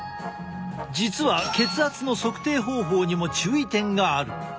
実は血圧の測定方法にも注意点がある。